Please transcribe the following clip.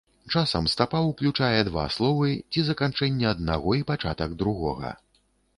Часам стапа ўключае два словы ці заканчэнне аднаго і пачатак другога.